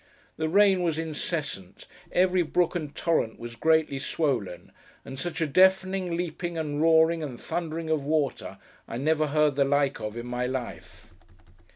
The rain was incessant; every brook and torrent was greatly swollen; and such a deafening leaping, and roaring, and thundering of water, I never heard the like of in my life.